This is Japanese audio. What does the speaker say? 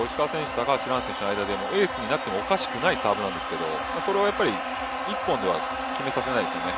高橋藍選手の間でもエースになってもおかしくないサーブなんですけどそれをやっぱり１本では決めさせないですよね。